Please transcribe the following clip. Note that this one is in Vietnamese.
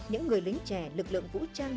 những người lính trẻ lực lượng vũ trang